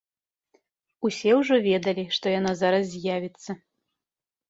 Усе ўжо ведалі, што яна зараз з'явіцца.